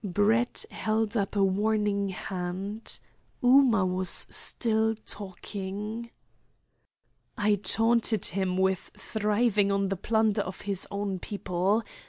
Brett held up a warning hand. Ooma was still talking. "I taunted him with thriving on the plunder of his own people.